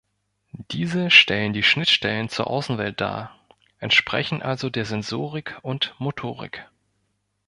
Diese stellen die Schnittstellen zur Außenwelt dar, entsprechen also der Sensorik und Motorik.